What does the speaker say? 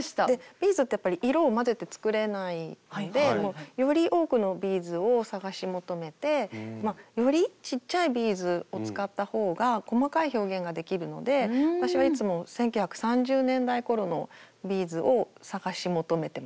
ビーズってやっぱり色を混ぜて作れないのでより多くのビーズを探し求めてよりちっちゃいビーズを使った方が細かい表現ができるので私はいつも１９３０代ごろのビーズを探し求めてます。